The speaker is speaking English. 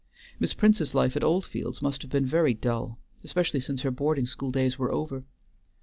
Miss Prince's life at Oldfields must have been very dull, especially since her boarding school days were over.